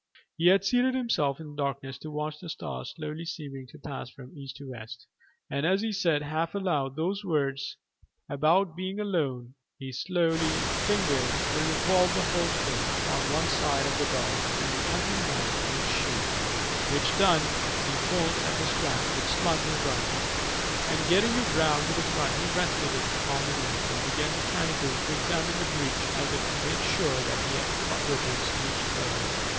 He had seated himself in the darkness to watch the stars slowly seeming to pass from east to west, and as he said half aloud those words about being alone he slowly fingered the revolver holster on one side of his belt and the hunting knife in its sheath, which done, he pulled at the strap which slung his rifle, and getting it round to the front he rested it upon his knees, and began mechanically to examine the breech as if to make sure that he had cartridges in each barrel.